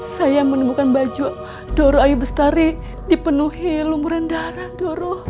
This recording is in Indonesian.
saya menemukan baju doro ayu bestari dipenuhi lumuran darah doro